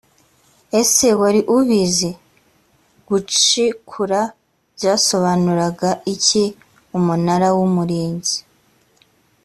ese wari ubizi gucikura byasobanuraga iki umunara w umurinzi